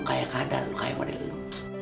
kayak kadal kayak model lu